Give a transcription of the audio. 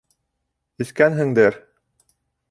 — Эскәнһеңдер.